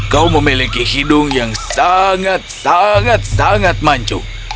kau memiliki hidung yang sangat sangat sangat mancuk